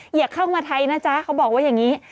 อย่าเข้ามาไทยนะจ๊ะเขาบอกว่าอย่างนี้